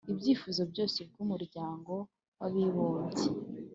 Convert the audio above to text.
ibyifuzo byose bw'umuryango w'abibumbye .